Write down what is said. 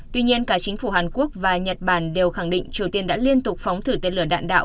tuy nhiên cả chính phủ hàn quốc và nhật bản đều khẳng định triều tiên đã liên tục phóng thử tên lửa đạn đạo